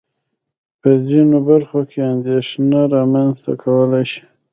په ځينو برخو کې اندېښنه رامنځته کولای شي.